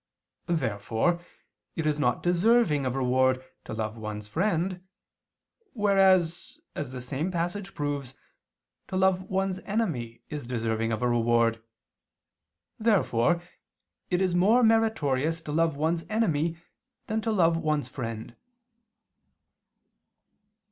Therefore it is not deserving of reward to love one's friend: whereas, as the same passage proves, to love one's enemy is deserving of a reward. Therefore it is more meritorious to love one's enemy than to love one's friend.